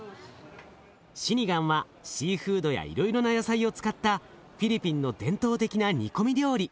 シニガンはシーフードやいろいろな野菜を使ったフィリピンの伝統的な煮込み料理。